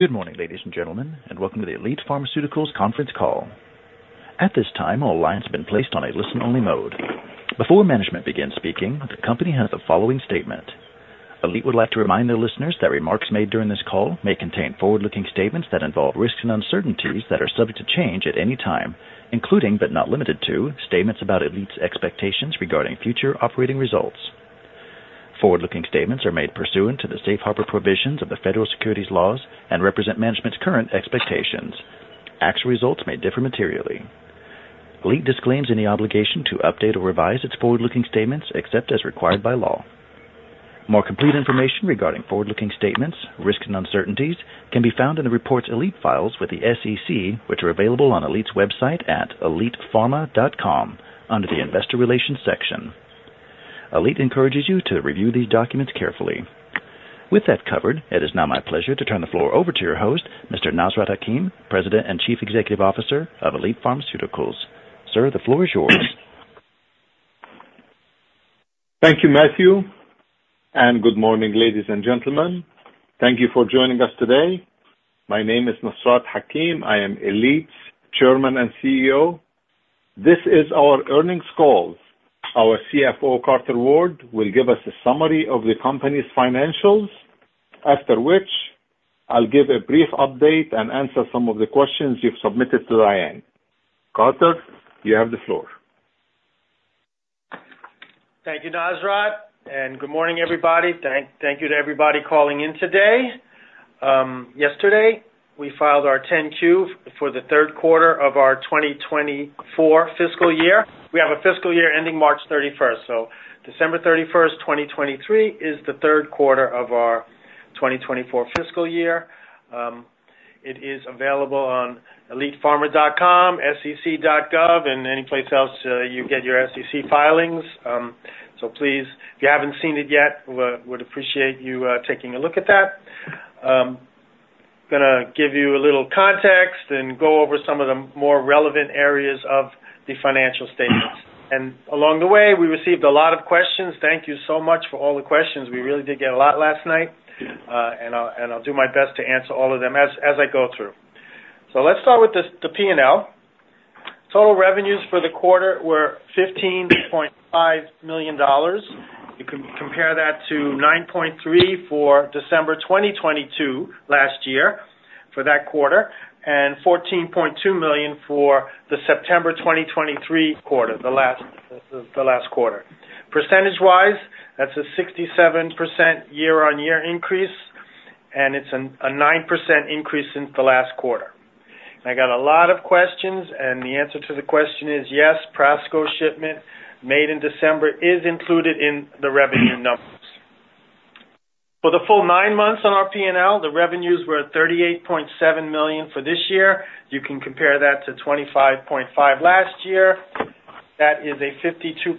Good morning, ladies and gentlemen, and welcome to the Elite Pharmaceuticals conference call. At this time, all lines have been placed on a listen-only mode. Before management begins speaking, the company has the following statement: Elite would like to remind their listeners that remarks made during this call may contain forward-looking statements that involve risks and uncertainties that are subject to change at any time, including but not limited to statements about Elite's expectations regarding future operating results. Forward-looking statements are made pursuant to the Safe Harbor provisions of the Federal Securities Laws and represent management's current expectations. Actual results may differ materially. Elite disclaims any obligation to update or revise its forward-looking statements except as required by law. More complete information regarding forward-looking statements, risks, and uncertainties can be found in the reports Elite files with the SEC, which are available on Elite's website at elitepharma.com under the Investor Relations section. Elite encourages you to review these documents carefully. With that covered, it is now my pleasure to turn the floor over to your host, Mr. Nasrat Hakim, President and Chief Executive Officer of Elite Pharmaceuticals. Sir, the floor is yours. Thank you, Matthew, and good morning, ladies and gentlemen. Thank you for joining us today. My name is Nasrat Hakim. I am Elite's Chairman and CEO. This is our earnings call. Our CFO, Carter Ward, will give us a summary of the company's financials, after which I'll give a brief update and answer some of the questions you've submitted to Diane. Carter, you have the floor. Thank you, Nasrat, and good morning, everybody. Thank you to everybody calling in today. Yesterday, we filed our 10-Q for the third quarter of our 2024 fiscal year. We have a fiscal year ending March 31, so December 31st 2023, is the third quarter of our 2024 fiscal year. It is available on elitepharma.com, sec.gov, and anyplace else you get your SEC filings. So please, if you haven't seen it yet, we'd appreciate you taking a look at that. I'm going to give you a little context and go over some of the more relevant areas of the financial statements. And along the way, we received a lot of questions. Thank you so much for all the questions. We really did get a lot last night, and I'll do my best to answer all of them as I go through. So let's start with the P&L. Total revenues for the quarter were $15.5 million. You can compare that to $9.3 million for December 2022, last year, for that quarter, and $14.2 million for the September 2023 quarter, the last quarter. Percentage-wise, that's a 67% year-on-year increase, and it's a 9% increase since the last quarter. I got a lot of questions, and the answer to the question is yes, Prasco shipment made in December is included in the revenue numbers. For the full nine months on our P&L, the revenues were $38.7 million for this year. You can compare that to $25.5 million last year. That is a 52%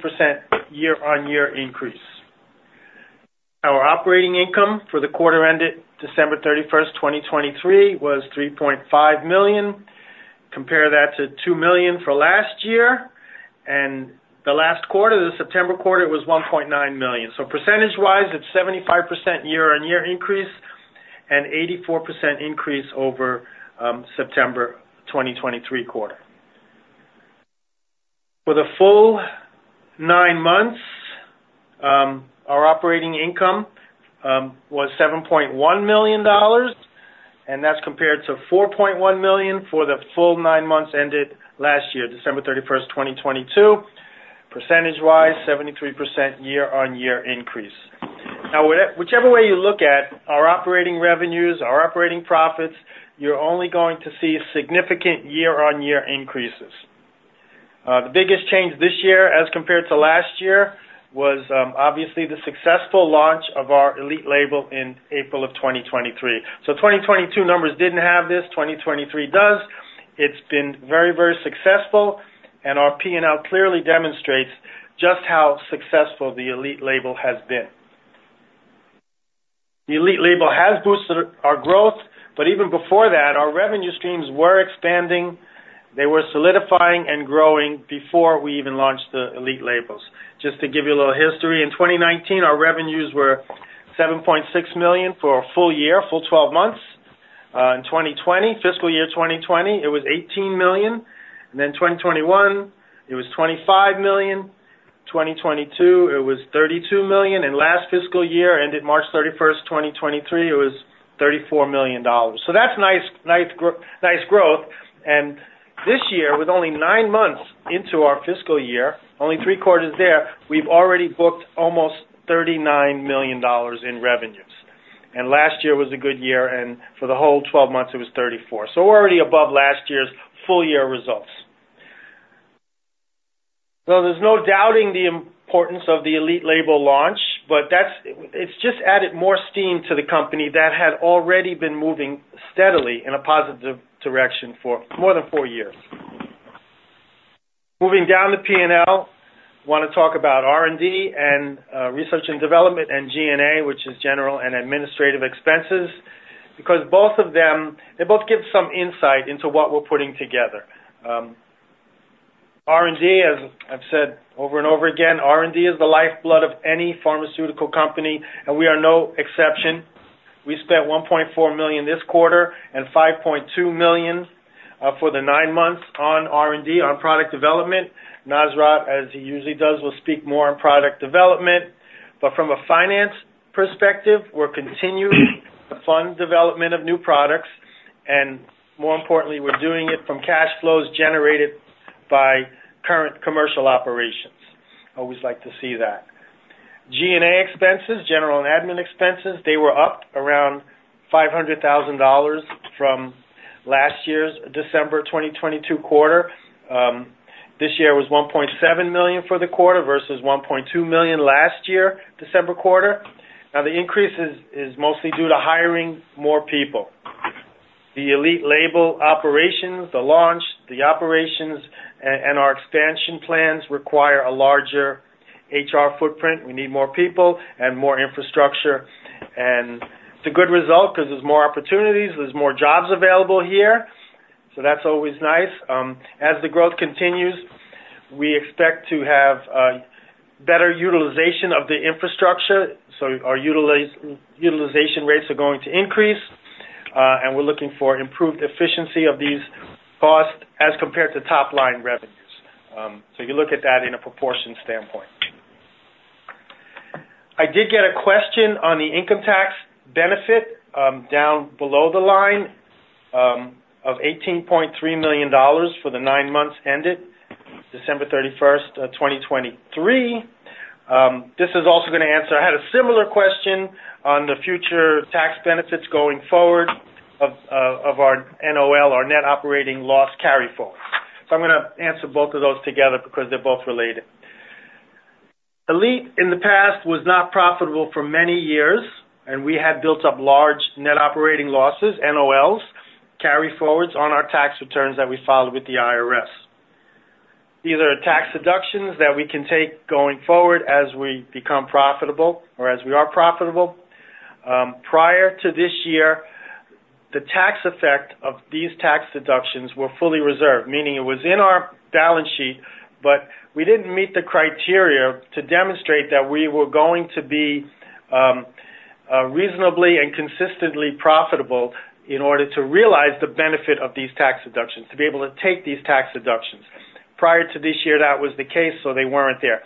year-on-year increase. Our operating income for the quarter ended December 31, 2023, was $3.5 million. Compare that to $2 million for last year. The last quarter, the September quarter, it was $1.9 million. So percentage-wise, it's a 75% year-on-year increase and 84% increase over September 2023 quarter. For the full nine months, our operating income was $7.1 million, and that's compared to $4.1 million for the full nine months ended last year, December 31, 2022. Percentage-wise, 73% year-on-year increase. Now, whichever way you look at our operating revenues, our operating profits, you're only going to see significant year-on-year increases. The biggest change this year as compared to last year was obviously the successful launch of our Elite label in April of 2023. So 2022 numbers didn't have this. 2023 does. It's been very, very successful, and our P&L clearly demonstrates just how successful the Elite label has been. The Elite label has boosted our growth, but even before that, our revenue streams were expanding. They were solidifying and growing before we even launched the Elite labels. Just to give you a little history, in 2019, our revenues were $7.6 million for a full year, full 12 months. In fiscal year 2020, it was $18 million. And then 2021, it was $25 million. 2022, it was $32 million. And last fiscal year, ended March 31, 2023, it was $34 million. So that's nice growth. And this year, with only nine months into our fiscal year, only three quarters there, we've already booked almost $39 million in revenues. And last year was a good year, and for the whole 12 months, it was $34. So we're already above last year's full-year results. So there's no doubting the importance of the Elite label launch, but it's just added more steam to the company that had already been moving steadily in a positive direction for more than four years. Moving down the P&L, I want to talk about R&D and research and development and G&A, which is general and administrative expenses, because they both give some insight into what we're putting together. R&D, as I've said over and over again, R&D is the lifeblood of any pharmaceutical company, and we are no exception. We spent $1.4 million this quarter and $5.2 million for the nine months on R&D, on product development. Nasrat, as he usually does, will speak more on product development. But from a finance perspective, we're continuing to fund development of new products, and more importantly, we're doing it from cash flows generated by current commercial operations. Always like to see that. G&A expenses, general and admin expenses, they were up around $500,000 from last year's December 2022 quarter. This year was $1.7 million for the quarter versus $1.2 million last year, December quarter. Now, the increase is mostly due to hiring more people. The Elite label operations, the launch, the operations, and our expansion plans require a larger HR footprint. We need more people and more infrastructure. It's a good result because there's more opportunities. There's more jobs available here, so that's always nice. As the growth continues, we expect to have better utilization of the infrastructure, so our utilization rates are going to increase, and we're looking for improved efficiency of these costs as compared to top-line revenues. So you look at that in a proportion standpoint. I did get a question on the income tax benefit down below the line of $18.3 million for the nine months ended December 31, 2023. This is also going to answer I had a similar question on the future tax benefits going forward of our NOL, our net operating loss carryforward. So I'm going to answer both of those together because they're both related. Elite, in the past, was not profitable for many years, and we had built up large net operating losses, NOLs, carryforwards on our tax returns that we filed with the IRS. These are tax deductions that we can take going forward as we become profitable or as we are profitable. Prior to this year, the tax effect of these tax deductions were fully reserved, meaning it was in our balance sheet, but we didn't meet the criteria to demonstrate that we were going to be reasonably and consistently profitable in order to realize the benefit of these tax deductions, to be able to take these tax deductions. Prior to this year, that was the case, so they weren't there.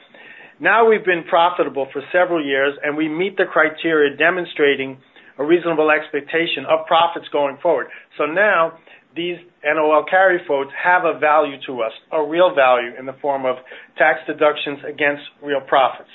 Now, we've been profitable for several years, and we meet the criteria demonstrating a reasonable expectation of profits going forward. So now, these NOL carryforwards have a value to us, a real value in the form of tax deductions against real profits.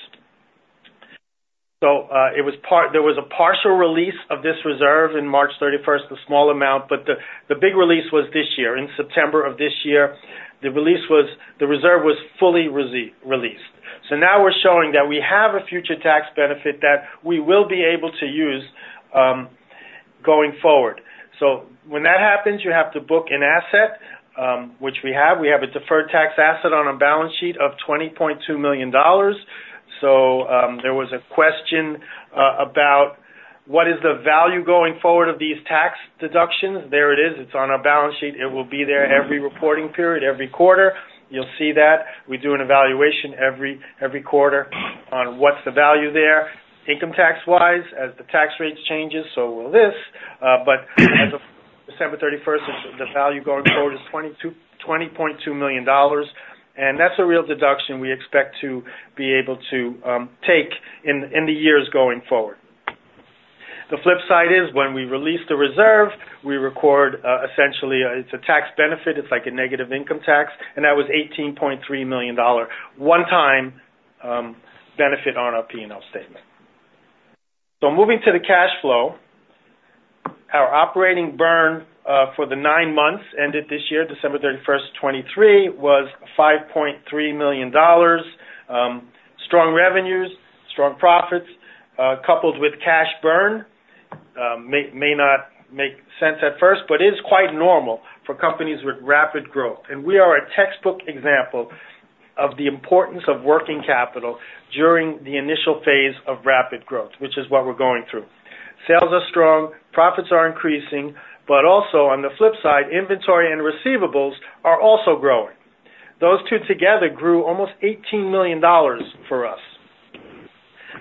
So there was a partial release of this reserve in March 31, a small amount, but the big release was this year. In September of this year, the reserve was fully released. So now we're showing that we have a future tax benefit that we will be able to use going forward. So when that happens, you have to book an asset, which we have. We have a Deferred tax asset on our balance sheet of $20.2 million. So there was a question about what is the value going forward of these tax deductions. There it is. It's on our balance sheet. It will be there every reporting period, every quarter. You'll see that. We do an evaluation every quarter on what's the value there income tax-wise as the tax rates change, so will this. But as of December 31, the value going forward is $20.2 million, and that's a real deduction we expect to be able to take in the years going forward. The flip side is when we release the reserve, we record essentially it's a tax benefit. It's like a negative income tax, and that was $18.3 million, one-time benefit on our P&L statement. So moving to the cash flow, our operating burn for the nine months ended this year, December 31, 2023, was $5.3 million. Strong revenues, strong profits coupled with cash burn may not make sense at first, but it is quite normal for companies with rapid growth. We are a textbook example of the importance of working capital during the initial phase of rapid growth, which is what we're going through. Sales are strong. Profits are increasing. But also, on the flip side, inventory and receivables are also growing. Those two together grew almost $18 million for us.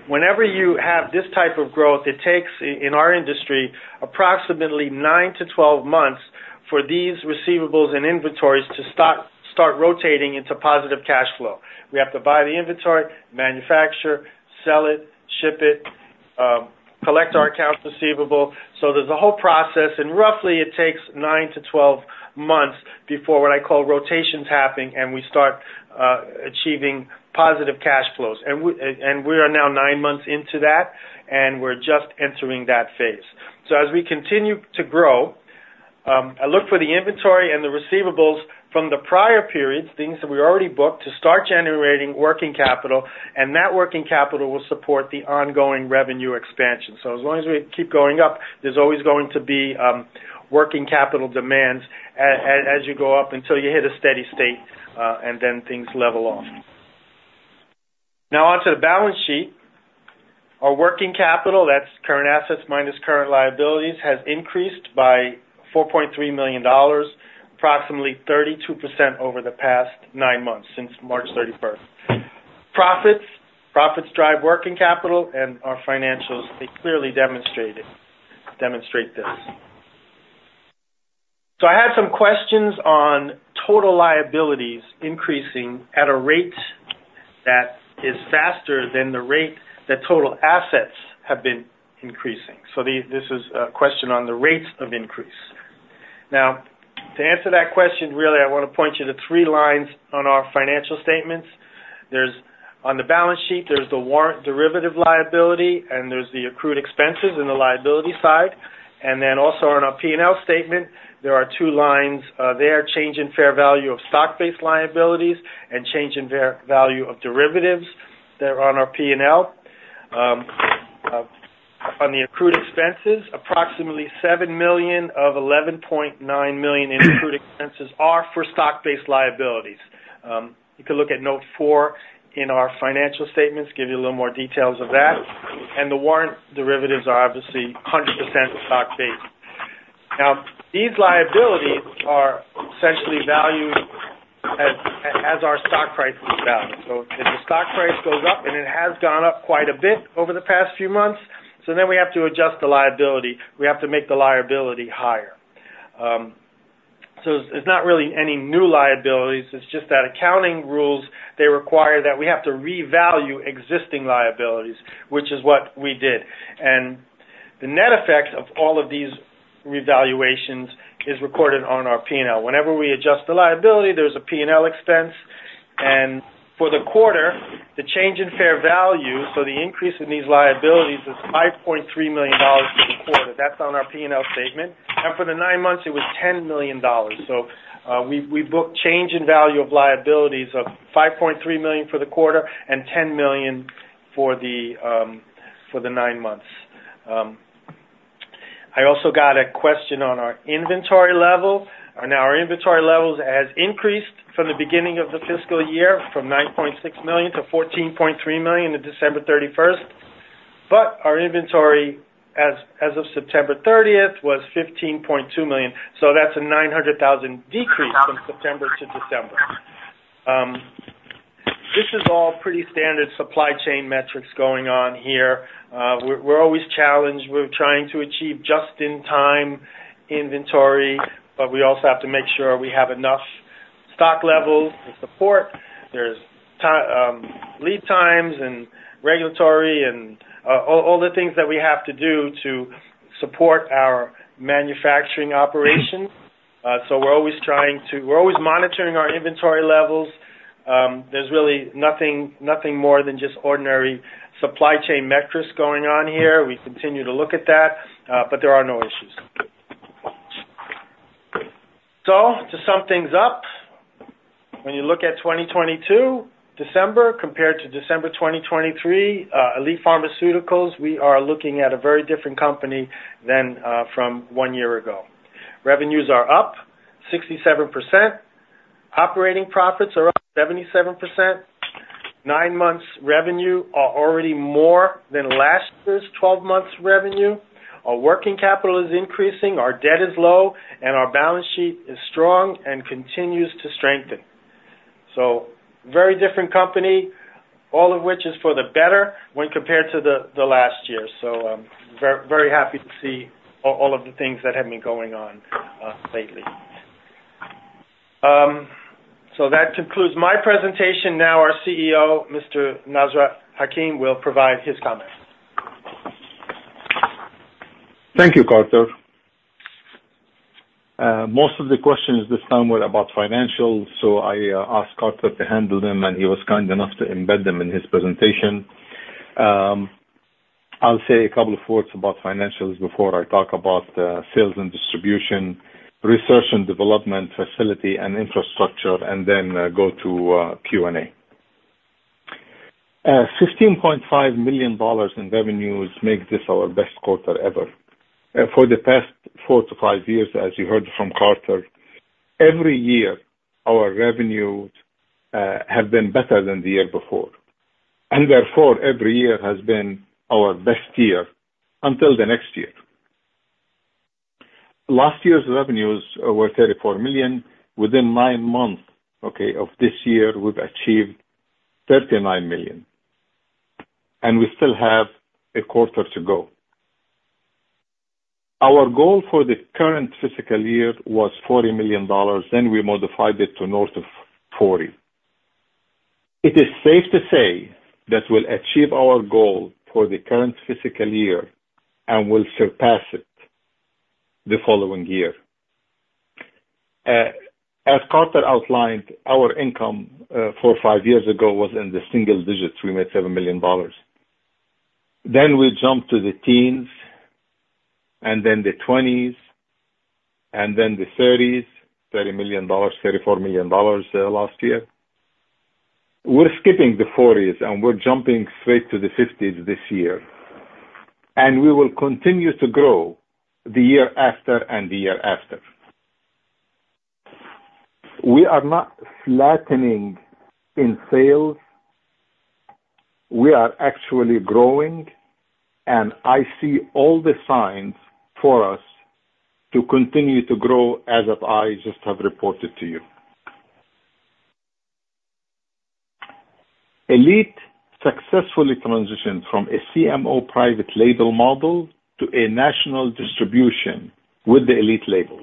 Whenever you have this type of growth, it takes, in our industry, approximately 9-12 months for these receivables and inventories to start rotating into positive cash flow. We have to buy the inventory, manufacture, sell it, ship it, collect our accounts receivable. So there's a whole process, and roughly, it takes 9-12 months before what I call rotations happen and we start achieving positive cash flows. We are now nine months into that, and we're just entering that phase. As we continue to grow, I look for the inventory and the receivables from the prior periods, things that we already booked, to start generating working capital, and that working capital will support the ongoing revenue expansion. So as long as we keep going up, there's always going to be working capital demands as you go up until you hit a steady state, and then things level off. Now, onto the balance sheet. Our working capital, that's current assets minus current liabilities, has increased by $4.3 million, approximately 32% over the past nine months since March 31. Profits drive working capital, and our financials, they clearly demonstrate this. So I had some questions on total liabilities increasing at a rate that is faster than the rate that total assets have been increasing. So this is a question on the rates of increase. Now, to answer that question, really, I want to point you to three lines on our financial statements. On the balance sheet, there's the warrant derivative liability, and there's the accrued expenses in the liability side. And then also, on our P&L statement, there are two lines there, change in fair value of stock-based liabilities and change in fair value of derivatives that are on our P&L. On the accrued expenses, approximately $7 million of $11.9 million in accrued expenses are for stock-based liabilities. You can look at note 4 in our financial statements, give you a little more details of that. And the warrant derivatives are obviously 100% stock-based. Now, these liabilities are essentially valued as our stock price is valued. So if the stock price goes up, and it has gone up quite a bit over the past few months, so then we have to adjust the liability. We have to make the liability higher. So it's not really any new liabilities. It's just that accounting rules, they require that we have to revalue existing liabilities, which is what we did. And the net effect of all of these revaluations is recorded on our P&L. Whenever we adjust the liability, there's a P&L expense. And for the quarter, the change in fair value, so the increase in these liabilities, is $5.3 million for the quarter. That's on our P&L statement. And for the nine months, it was $10 million. So we booked change in value of liabilities of $5.3 million for the quarter and $10 million for the nine months. I also got a question on our inventory level. Now, our inventory levels have increased from the beginning of the fiscal year, from $9.6 million to $14.3 million on December 31. But our inventory as of September 30 was $15.2 million. So that's a $900,000 decrease from September to December. This is all pretty standard supply chain metrics going on here. We're always challenged. We're trying to achieve just-in-time inventory, but we also have to make sure we have enough stock levels to support. There's lead times and regulatory and all the things that we have to do to support our manufacturing operations. So we're always trying to monitor our inventory levels. There's really nothing more than just ordinary supply chain metrics going on here. We continue to look at that, but there are no issues. So to sum things up, when you look at December 2022, compared to December 2023, Elite Pharmaceuticals, we are looking at a very different company than from one year ago. Revenues are up 67%. Operating profits are up 77%. Nine months' revenue are already more than last year's 12-months' revenue. Our working capital is increasing. Our debt is low, and our balance sheet is strong and continues to strengthen. So very different company, all of which is for the better when compared to the last year. So very happy to see all of the things that have been going on lately. So that concludes my presentation. Now, our CEO, Mr. Nasrat Hakim, will provide his comments. Thank you, Carter. Most of the questions this time were about financials, so I asked Carter to handle them, and he was kind enough to embed them in his presentation. I'll say a couple of words about financials before I talk about sales and distribution, research and development, facility, and infrastructure, and then go to Q&A. $15.5 million in revenues makes this our best quarter ever. For the past four-five years, as you heard from Carter, every year, our revenues have been better than the year before. And therefore, every year has been our best year until the next year. Last year's revenues were $34 million. Within nine months of this year, we've achieved $39 million, and we still have a quarter to go. Our goal for the current fiscal year was $40 million. Then we modified it to north of $40 million. It is safe to say that we'll achieve our goal for the current fiscal year and will surpass it the following year. As Carter outlined, our income four or five years ago was in the single digits. We made $7 million. Then we jumped to the teens, and then the 20s, and then the 30s, $30 million, $34 million last year. We're skipping the 40s, and we're jumping straight to the 50s this year. We will continue to grow the year after and the year after. We are not flattening in sales. We are actually growing, and I see all the signs for us to continue to grow as I just have reported to you. Elite successfully transitioned from a CMO private label model to a national distribution with the Elite label.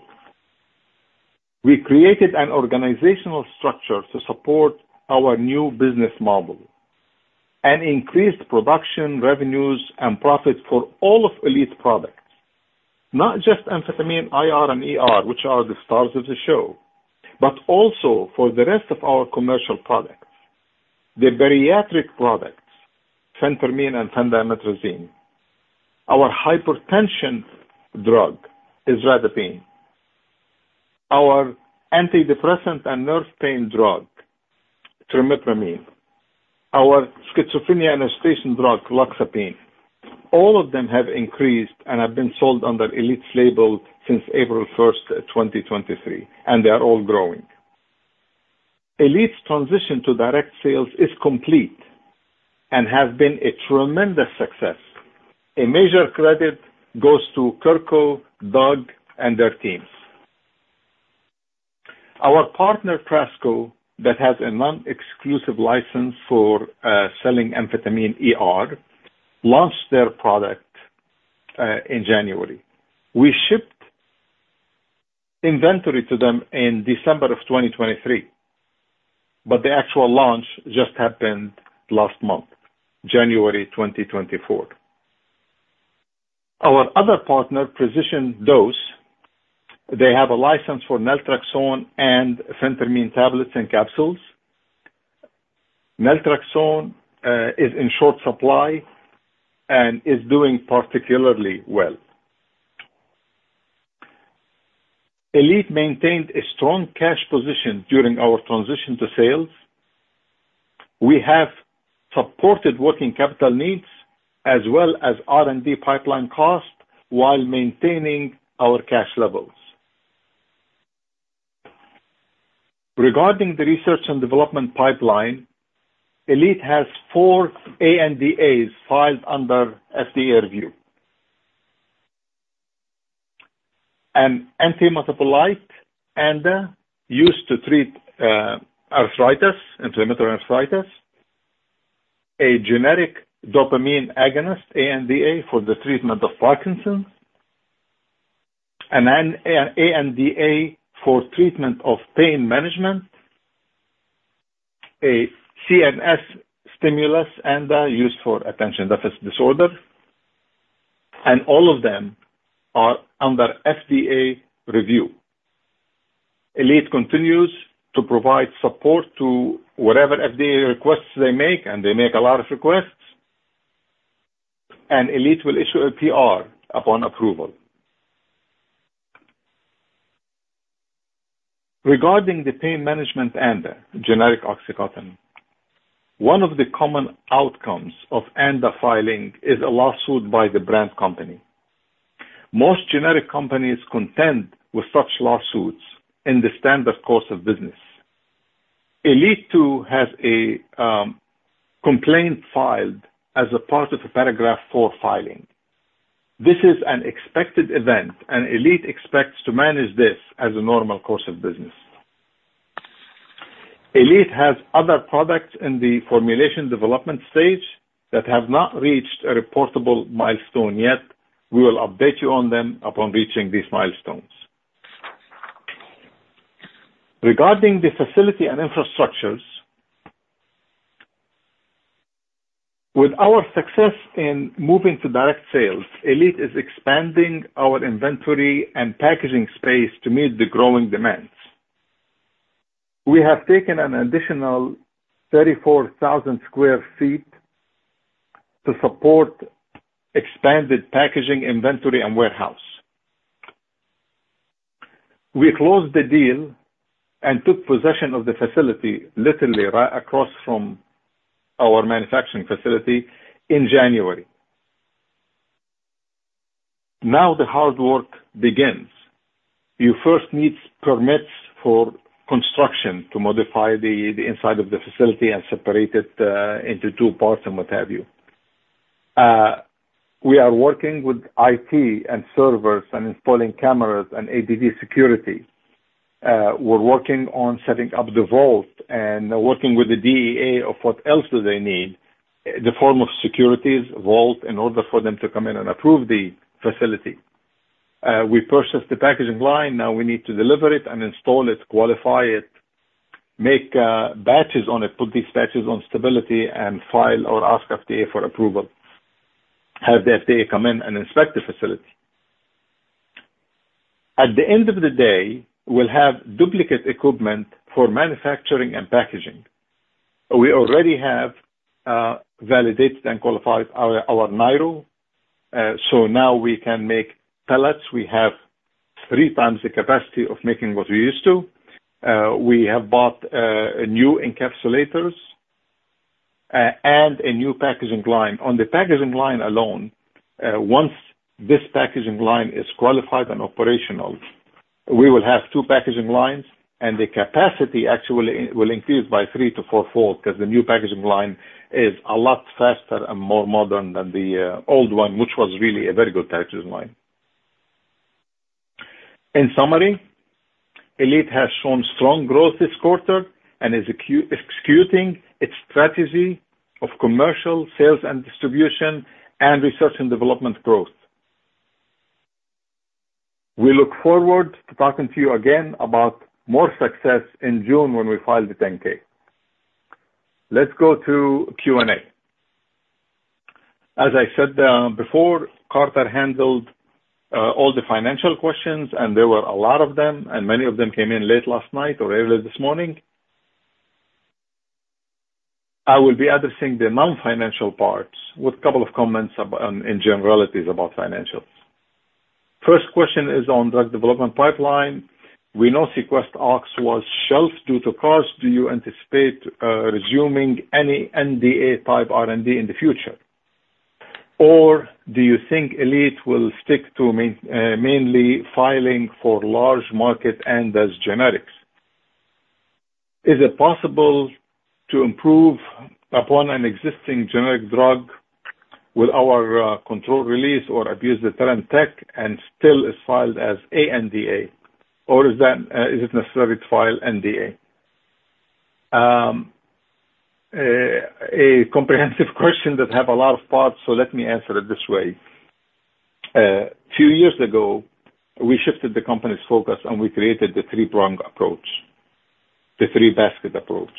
We created an organizational structure to support our new business model and increased production, revenues, and profits for all of Elite products, not just amphetamine IR, which are the stars of the show, but also for the rest of our commercial products, the bariatric products, phentermine, and phendimetrazine. Our hypertension drug is isradipine. Our antidepressant and nerve pain drug, trimipramine. Our schizophrenia and agitation drug, loxapine. All of them have increased and have been sold under Elite's label since April 1st, 2023, and they are all growing. Elite's transition to direct sales is complete and has been a tremendous success. A major credit goes to Kirko, Doug, and their teams. Our partner, Prasco, that has a non-exclusive license for selling amphetamine, launched their product in January. We shipped inventory to them in December of 2023, but the actual launch just happened last month, January 2024. Our other partner, Precision Dose, they have a license for naltrexone and phentermine tablets and capsules. Naltrexone is in short supply and is doing particularly well. Elite maintained a strong cash position during our transition to sales. We have supported working capital needs as well as R&D pipeline costs while maintaining our cash levels. Regarding the research and development pipeline, Elite has four ANDAs filed under FDA review: an antimetabolite ANDA used to treat inflammatory arthritis, a generic dopamine agonist ANDA for the treatment of Parkinson's, an ANDA for treatment of pain management, a CNS stimulus ANDA used for attention deficit disorder, and all of them are under FDA review. Elite continues to provide support to whatever FDA requests they make, and they make a lot of requests. Elite will issue a PR upon approval. Regarding the pain management ANDA, generic oxycodone, one of the common outcomes of ANDA filing is a lawsuit by the brand company. Most generic companies contend with such lawsuits in the standard course of business. Elite too has a complaint filed as a part of a Paragraph IV filing. This is an expected event, and Elite expects to manage this as a normal course of business. Elite has other products in the formulation development stage that have not reached a reportable milestone yet. We will update you on them upon reaching these milestones. Regarding the facility and infrastructures, with our success in moving to direct sales, Elite is expanding our inventory and packaging space to meet the growing demands. We have taken an additional 34,000 sq ft to support expanded packaging inventory and warehouse. We closed the deal and took possession of the facility literally right across from our manufacturing facility in January. Now, the hard work begins. You first need permits for construction to modify the inside of the facility and separate it into two parts and what have you. We are working with IT and servers and installing cameras and security. We're working on setting up the vault and working with the DEA on what else they need, the form of security, vault, in order for them to come in and approve the facility. We purchased the packaging line. Now, we need to deliver it and install it, qualify it, make batches on it, put these batches on stability, and file or ask FDA for approval, have the FDA come in and inspect the facility. At the end of the day, we'll have duplicate equipment for manufacturing and packaging. We already have validated and qualified our Niro. So now we can make pellets. We have three times the capacity of making what we used to. We have bought new encapsulators and a new packaging line. On the packaging line alone, once this packaging line is qualified and operational, we will have two packaging lines, and the capacity actually will increase by three- to fourfold because the new packaging line is a lot faster and more modern than the old one, which was really a very good packaging line. In summary, Elite has shown strong growth this quarter and is executing its strategy of commercial, sales, and distribution, and research and development growth. We look forward to talking to you again about more success in June when we file the 10-K. Let's go to Q&A. As I said before, Carter handled all the financial questions, and there were a lot of them, and many of them came in late last night or early this morning. I will be addressing the non-financial parts with a couple of comments in generalities about financials. First question is on drug development pipeline. We know SequestOx was shelved due to costs. Do you anticipate resuming any NDA-type R&D in the future? Or do you think Elite will stick to mainly filing for large-market ANDAs generics? Is it possible to improve upon an existing generic drug with our controlled-release or abuse-deterrent tech and still be filed as ANDA? Or is it necessary to file NDA?A comprehensive question that has a lot of parts, so let me answer it this way. A few years ago, we shifted the company's focus, and we created the three-prong approach, the three-basket approach.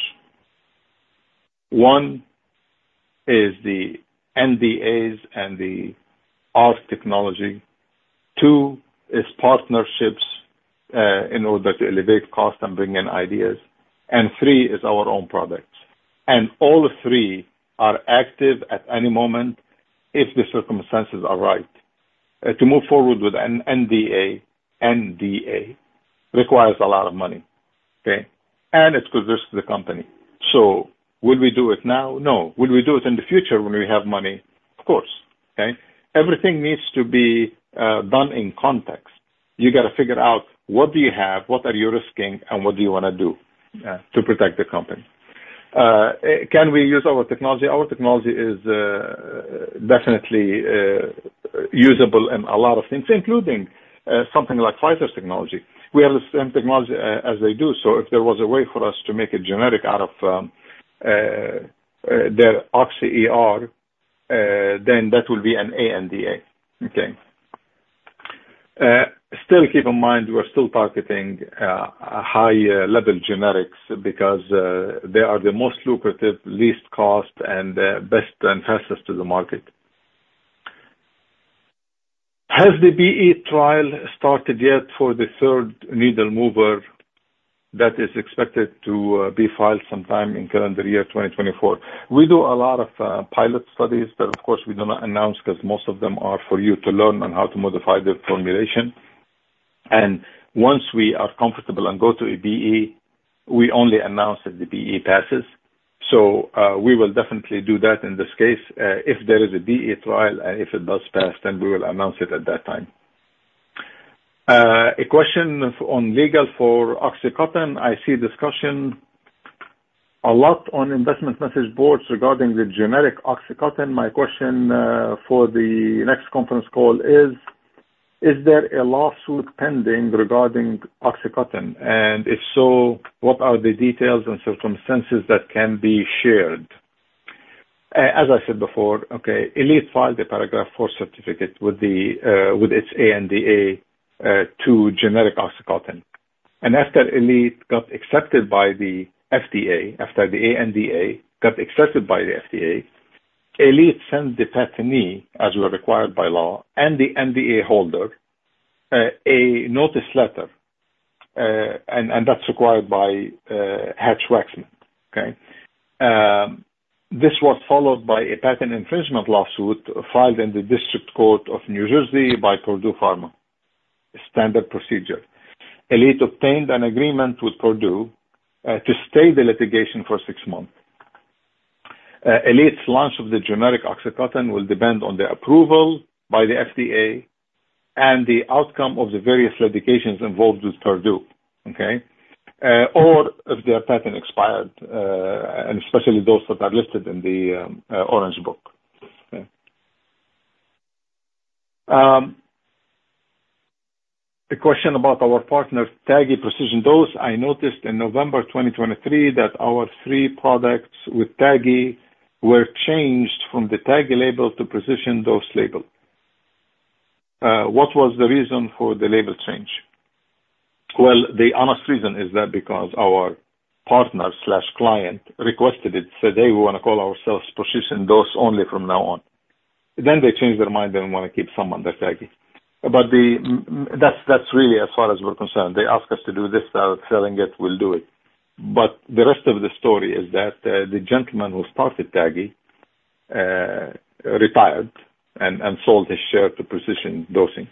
One is the NDAs and the ARC technology. Two is partnerships in order to elevate cost and bring in ideas. And three is our own products. And all three are active at any moment if the circumstances are right. To move forward with an NDA, NDA requires a lot of money, okay? And it could risk the company. So will we do it now? No. Will we do it in the future when we have money? Of course, okay? Everything needs to be done in context. You got to figure out what do you have, what are you risking, and what do you want to do to protect the company. Can we use our technology? Our technology is definitely usable in a lot of things, including something like Pfizer's technology. We have the same technology as they do. So if there was a way for us to make a generic out of their OxyER, then that will be an ANDA, okay? Still, keep in mind, we're still targeting high-level generics because they are the most lucrative, least cost, and best and fastest to the market. Has the BE trial started yet for the third needle-mover that is expected to be filed sometime in calendar year 2024? We do a lot of pilot studies, but of course, we do not announce because most of them are for you to learn on how to modify the formulation. And once we are comfortable and go to a BE, we only announce if the BE passes. So we will definitely do that in this case. If there is a BE trial and if it does pass, then we will announce it at that time. A question on legal for oxycodone. I see discussion a lot on investment message boards regarding the generic oxycodone. My question for the next conference call is, is there a lawsuit pending regarding oxycodone? And if so, what are the details and circumstances that can be shared? As I said before, okay, Elite filed a Paragraph IV certification with its ANDA to generic oxycodone. And after Elite got accepted by the FDA, after the ANDA got accepted by the FDA, Elite sent the patentee, as was required by law, and the NDA holder a notice letter, and that's required by Hatch-Waxman, okay? This was followed by a patent infringement lawsuit filed in the District Court of New Jersey by Purdue Pharma, standard procedure. Elite obtained an agreement with Purdue to stay litigation for six months. Elite's launch of the generic oxycodone will depend on the approval by the FDA and the outcome of the various litigations involved with Purdue, okay? Or if their patent expired, and especially those that are listed in the Orange Book, okay? A question about our partner, TAGI Precision Dose. I noticed in November 2023 that our three products with TAGI were changed from the TAGI label to Precision Dose label. What was the reason for the label change? Well, the honest reason is that because our partnera and client requested it. Said, "Hey, we want to call ourselves Precision Dose only from now on." Then they changed their mind. They didn't want to keep some under TAGI. But that's really as far as we're concerned. They asked us to do this. They're selling it. We'll do it. But the rest of the story is that the gentleman who started TAGI retired and sold his share to Precision Dose.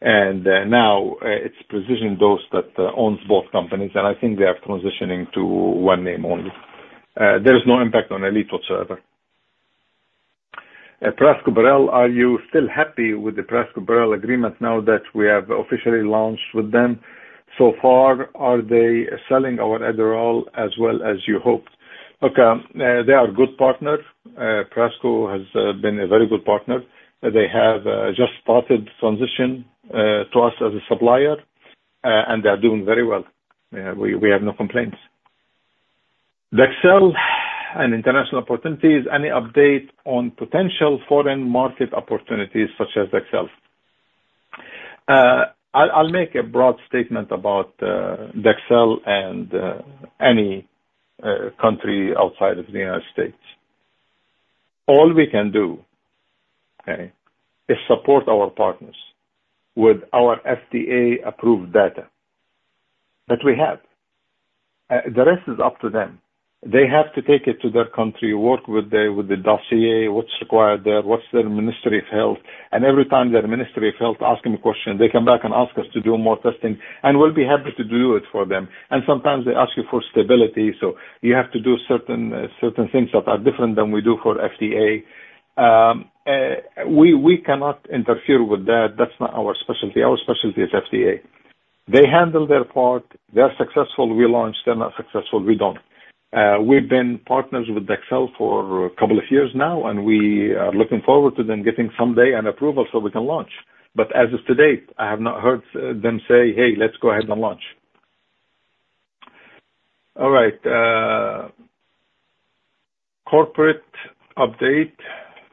And now it's Precision Dose that owns both companies, and I think they are transitioning to one name only. There is no impact on Elite whatsoever. Prasco-Burel, are you still happy with the Prasco-Burel agreement now that we have officially launched with them? So far, are they selling our Adderall as well as you hoped? Okay. They are a good partner. Prasco has been a very good partner. They have just started transition to us as a supplier, and they are doing very well. We have no complaints. Dexcel and international opportunities. Any update on potential foreign market opportunities such as Dexcel? I'll make a broad statement about Dexcel and any country outside of the United States. All we can do, okay, is support our partners with our FDA-approved data that we have. The rest is up to them. They have to take it to their country, work with the dossier, what's required there, what's their Ministry of Health. Every time their Ministry of Health asks them a question, they come back and ask us to do more testing, and we'll be happy to do it for them. Sometimes they ask you for stability, so you have to do certain things that are different than we do for FDA. We cannot interfere with that. That's not our specialty. Our specialty is FDA. They handle their part. They are successful. We launch. They're not successful. We don't. We've been partners with Dexcel for a couple of years now, and we are looking forward to them getting someday an approval so we can launch. But as of today, I have not heard them say, "Hey, let's go ahead and launch." All right. Corporate update.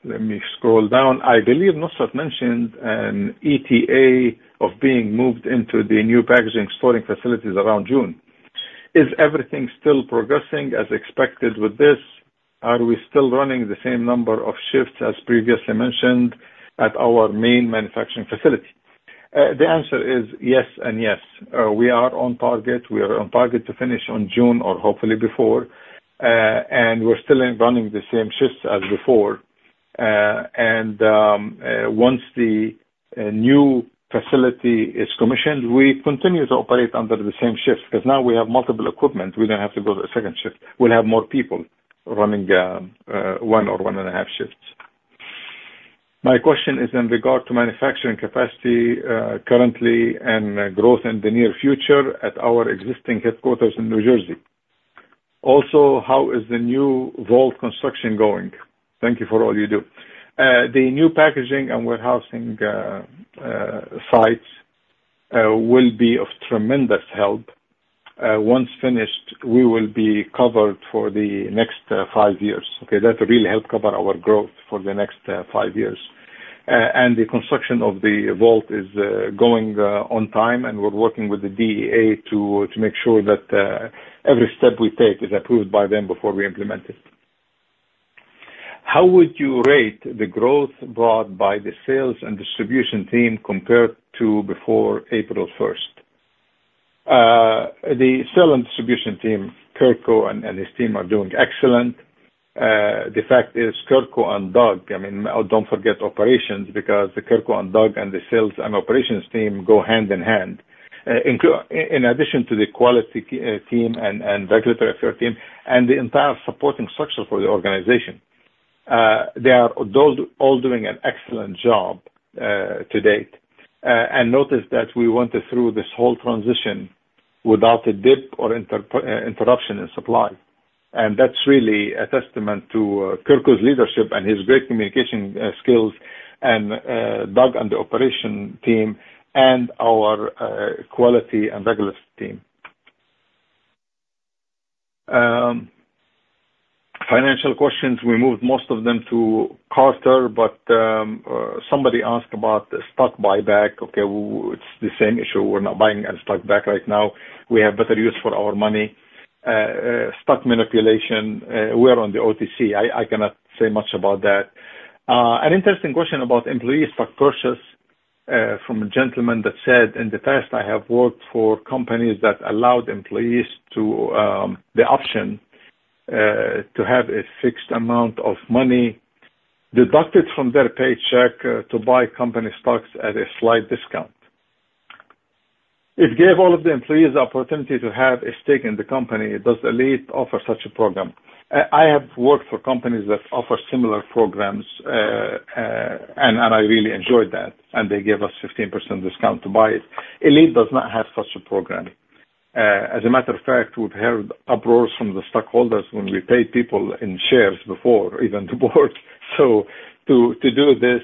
Let me scroll down. I believe Nasrat mentioned an ETA of being moved into the new packaging storage facilities around June. Is everything still progressing as expected with this? Are we still running the same number of shifts as previously mentioned at our main manufacturing facility? The answer is yes and yes. We are on target. We are on target to finish on June or hopefully before. And we're still running the same shifts as before. And once the new facility is commissioned, we continue to operate under the same shift because now we have multiple equipment. We don't have to go to a second shift. We'll have more people running one or one and a half shifts. My question is in regard to manufacturing capacity currently and growth in the near future at our existing headquarters in New Jersey. Also, how is the new vault construction going? Thank you for all you do. The new packaging and warehousing sites will be of tremendous help. Once finished, we will be covered for the next five years, okay? That will really help cover our growth for the next five years. The construction of the vault is going on time, and we're working with the DEA to make sure that every step we take is approved by them before we implement it. How would you rate the growth brought by the sales and distribution team compared to before April 1st? The sales and distribution team, Kirko and his team, are doing excellent. The fact is Kirko and Doug, I mean, don't forget operations because the Kirko and Doug and the sales and operations team go hand in hand, in addition to the quality team and regulatory affairs team and the entire supporting structure for the organization. They are all doing an excellent job to date. Notice that we went through this whole transition without a dip or interruption in supply. That's really a testament to Kirko's leadership and his great communication skills and Doug and the operations team and our quality and regulatory team. Financial questions, we moved most of them to Carter, but somebody asked about stock buyback, okay? It's the same issue. We're not buying any stock back right now. We have better use for our money. Stock manipulation, we are on the OTC. I cannot say much about that. An interesting question about employee stock purchase from a gentleman that said, "In the past, I have worked for companies that allowed employees the option to have a fixed amount of money deducted from their paycheck to buy company stocks at a slight discount." It gave all of the employees the opportunity to have a stake in the company. Does Elite offer such a program? I have worked for companies that offer similar programs, and I really enjoyed that, and they gave us 15% discount to buy it. Elite does not have such a program. As a matter of fact, we've heard uproars from the stockholders when we paid people in shares before, even the board. So to do this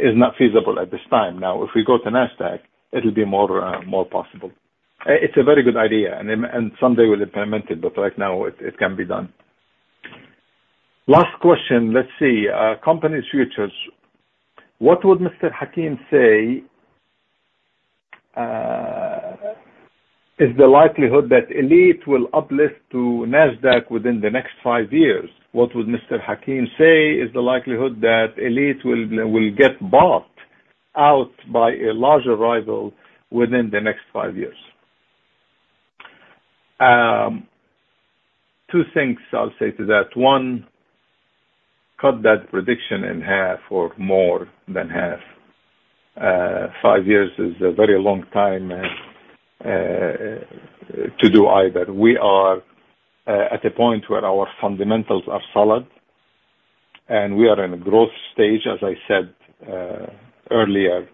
is not feasible at this time. Now, if we go to NASDAQ, it'll be more possible. It's a very good idea, and someday we'll implement it, but right now, it can be done. Last question. Let's see. Company's futures. What would Mr. Hakim say is the likelihood that Elite will uplift to NASDAQ within the next five years? What would Mr. Hakim say is the likelihood that Elite will get bought out by a larger rival within the next five years? Two things I'll say to that. One, cut that prediction in half or more than half. Five years is a very long time to do either. We are at a point where our fundamentals are solid, and we are in a growth stage, as I said earlier.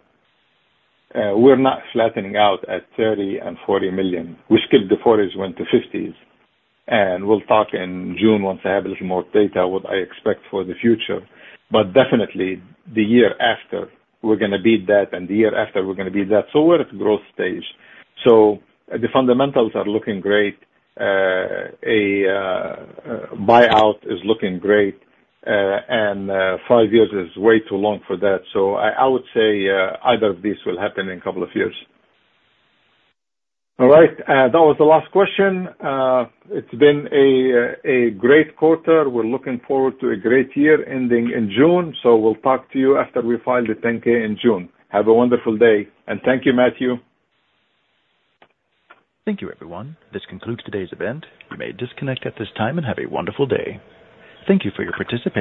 We're not flattening out at $30 million and $40 million. We skipped the 40s, went to 50s. And we'll talk in June once I have a little more data, what I expect for the future. But definitely, the year after, we're going to beat that, and the year after, we're going to beat that. So we're at a growth stage. So the fundamentals are looking great. A buyout is looking great, and five years is way too long for that. So I would say either of these will happen in a couple of years. All right. That was the last question. It's been a great quarter. We're looking forward to a great year ending in June. So we'll talk to you after we file the 10-K in June. Have a wonderful day. And thank you, Matthew. Thank you, everyone. This concludes today's event. You may disconnect at this time and have a wonderful day. Thank you for your participation.